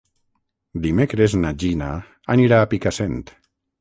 Dimecres na Gina anirà a Picassent.